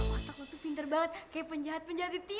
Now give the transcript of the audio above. otak lo tuh pinter banget kayak penjahat penjahat di tv tau gak